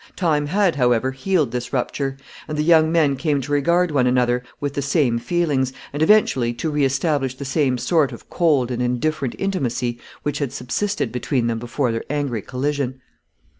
Time had, however, healed this rupture, and the young men came to regard one another with the same feelings, and eventually to re establish the same sort of cold and indifferent intimacy which had subsisted between them before their angry collision.